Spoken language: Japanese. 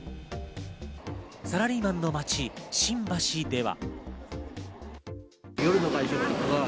サラリーマンの街・新橋では。